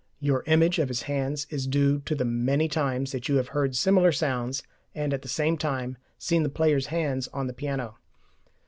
Your image of his hands is due to the many times that you have heard similar sounds and at the same time seen the player's hands on the piano.